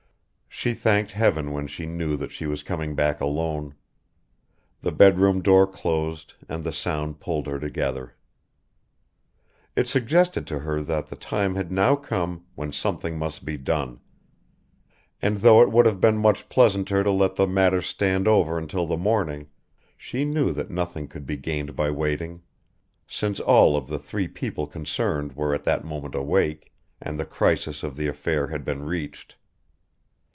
She thanked heaven when she knew that she was coming back alone. The bedroom door closed and the sound pulled her together. It suggested to her that the time had now come when something must be done, and though it would have been much pleasanter to let the matter stand over until the morning, she knew that nothing could be gained by waiting, since all of the three people concerned were at that moment awake, and the crisis of the affair had been reached.